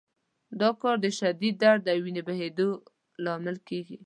دا کار د شدید درد او وینې بهېدو لامل کېږي.